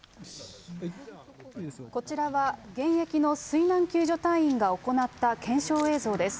こちらは現役の水難救助隊員が行った検証映像です。